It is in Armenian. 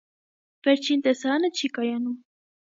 Վերջին տեսարանը չի կայանում։